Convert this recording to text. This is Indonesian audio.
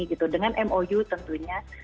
dengan mou tentunya